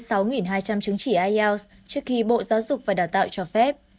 tổng cộng idp đã cấp hơn năm mươi sáu hai trăm linh chứng chỉ ielts trước khi bộ giáo dục và đào tạo cho phép